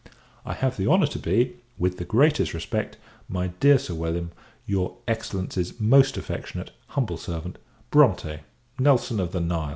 I have the honour to be, with the greatest respect, my dear Sir William, your Excellency's most affectionate, humble servant, BRONTE NELSON OF THE NILE.